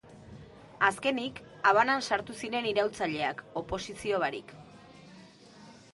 Azkenik, Habanan sartu ziren iraultzaileak oposizio barik.